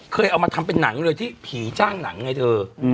เคยเอามาทำเป็นหนังเลยที่ผีจ้างหนังไงเธอ